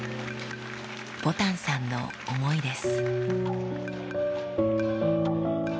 ぼたんさんの思いです